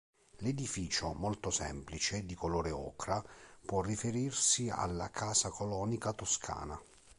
L'edificio, molto semplice, di colore ocra, può riferirsi alla casa colonica toscana.